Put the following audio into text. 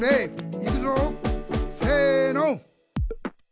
いくぞせの！